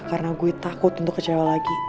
karena gue takut untuk kecewa